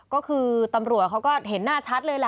ก็คือตำรวจเขาก็เห็นหน้าชัดเลยแหละ